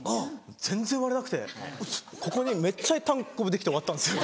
全然割れなくてここにめっちゃたんこぶできて終わったんです。